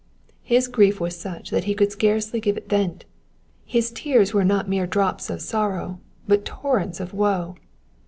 His grief was such that he could scarcely give it vent ; his tears were not mere drops of sorrow, but torrents of woe.